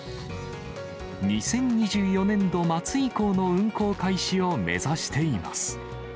２０２４年度末以降の運行開始を目指しています。